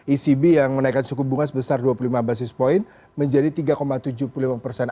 ecb yang menaikkan suku bunga sebesar dua puluh lima basis point menjadi tiga tujuh puluh lima persen